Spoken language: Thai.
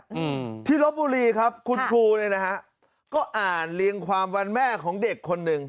อืมที่ลบบุรีครับคุณครูเนี้ยนะฮะก็อ่านเรียงความวันแม่ของเด็กคนหนึ่ง